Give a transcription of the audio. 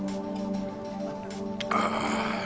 ああ。